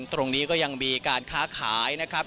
ตรงนี้ก็ยังมีการค้าขายนะครับ